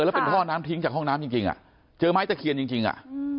แล้วเป็นท่อน้ำทิ้งจากห้องน้ำจริงอ่ะเจอไม้ตะเคียนจริงอ่ะ